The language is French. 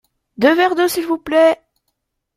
Deux verres d’eau s’il vous plait.